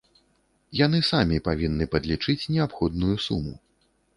Яны самі павінны падлічыць неабходную суму.